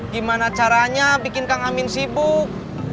gimana caranya bikin kang amin sibuk